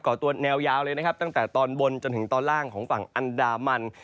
่อตัวแนวยาวเลยนะครับตั้งแต่ตอนบนจนถึงตอนล่างของฝั่งอันดามัน